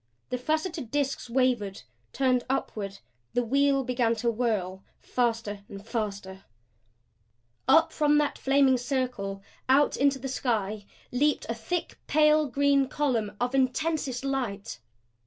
The faceted disks wavered; turned upward; the wheel began to whirl faster faster Up from that flaming circle, out into the sky leaped a thick, pale green column of intensest light.